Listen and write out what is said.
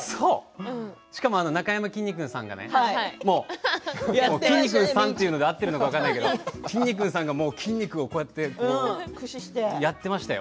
しかも、なかやまきんに君さんがきんに君さんで合っているのか分からないけれどきんに君さんがやってましたよ。